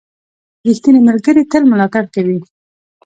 • ریښتینی ملګری تل ملاتړ کوي.